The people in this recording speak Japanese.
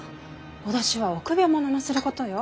脅しは臆病者のすることよ。